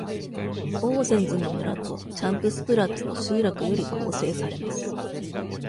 オーゼンズの村とチャンプスプラッツの集落より構成されます。